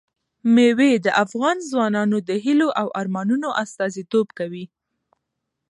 مېوې د افغان ځوانانو د هیلو او ارمانونو استازیتوب کوي.